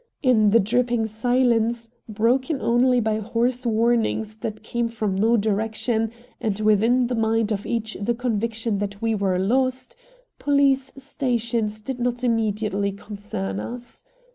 In the dripping silence, broken only by hoarse warnings that came from no direction, and within the mind of each the conviction that we were lost, police stations did not immediately concern us.